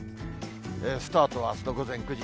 スタートはあすの午前９時。